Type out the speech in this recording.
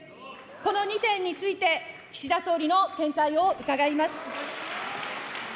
この２点について、岸田総理の見解を伺います。